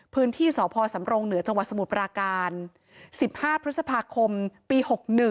พื้นที่สพสำรงเหนือจังหวัดสมุทรปราการ๑๕พฤษภาคมปี๖๑